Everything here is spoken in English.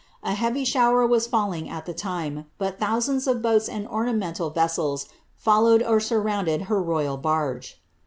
A heavy shower was falling at the time, but thousands of boats and ornamental vessels followed or sur rounded her royal barge.